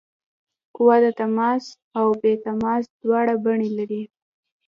قوه د تماس او بې تماس دواړه بڼې لري.